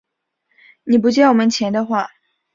你不借我们钱的话